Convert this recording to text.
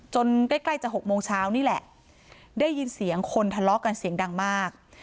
ใกล้ใกล้จะ๖โมงเช้านี่แหละได้ยินเสียงคนทะเลาะกันเสียงดังมาก